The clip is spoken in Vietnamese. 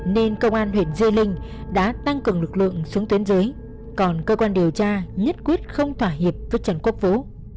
nên công an huyện di linh đã tăng cường lực lượng xuống tuyến dưới còn cơ quan điều tra nhất quyết không thỏa hiệp với trần quốc vũ